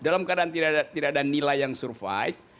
dalam keadaan tidak ada nilai yang survive